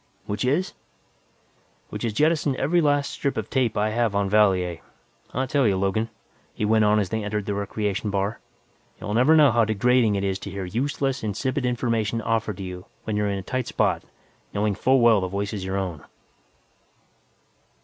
"Which is?" "Which is jettison every last strip of tape I have in Valier. I tell you, Logan," he went on as they entered the recreation bar, "you'll never know how degrading it is to hear useless, insipid information offered to you when you're in a tight spot, knowing full well the voice is your own!"